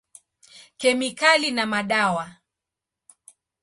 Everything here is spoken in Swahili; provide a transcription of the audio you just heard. Kemikali na madawa.